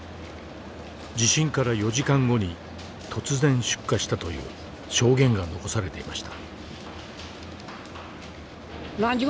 地震から４時間後に突然出火したという証言が残されていました。